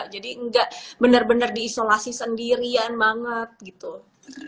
jadi enggak benar benar diisolasi sendirian banget gitu